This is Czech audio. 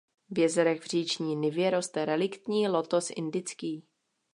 V jezerech v říční nivě roste reliktní lotos indický.